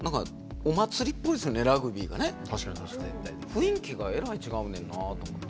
雰囲気がえらい違うねんなあと思って。